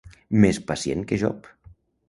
Més pacient que Job.